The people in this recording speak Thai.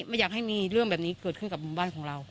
ไม่อยากให้มีเรื่องแบบนี้เกิดขึ้นกับหมู่บ้านของเรา